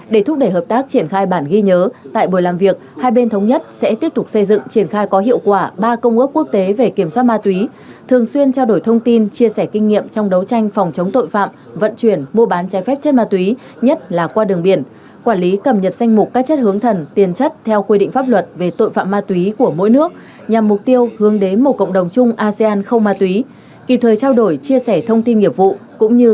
để thúc đẩy hợp tác triển khai bản ghi nhớ tại buổi làm việc hai bên thống nhất sẽ tiếp tục xây dựng triển khai có hiệu quả ba công ước quốc tế về kiểm soát ma túy thường xuyên trao đổi thông tin chia sẻ kinh nghiệm trong đấu tranh phòng chống tội phạm vận chuyển mua bán trái phép chất ma túy nhất là qua đường biển quản lý cầm nhật sanh mục các chất hướng thần tiền chất theo quy định pháp luật về tội phạm ma túy của mỗi nước nhằm mục tiêu hướng đến một cộng đồng chung asean không ma túy kịp thời trao đổi chia sẻ thông tin